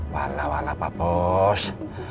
walau walau pak bos